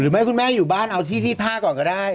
หรือแม่คุณอยู่บ้านเอาที่ผ้าก่อนก็ได้